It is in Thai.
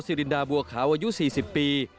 รินดาบัวขาวอายุ๔๐ปี